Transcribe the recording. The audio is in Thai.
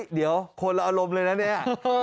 เดี๋ยวคนละอารมณ์เลยนะเนี่ย